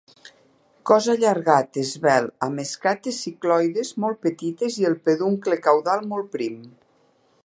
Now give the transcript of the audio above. Cos allargat, esvelt, amb escates cicloides molt petites i el peduncle caudal molt prim.